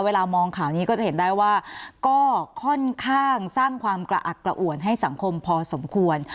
เวลามองข่าวนี้ก็จะเห็นได้ว่าก็ค่อนข้างสร้างความกระอักกระอ่วนให้สังคมพอสมควร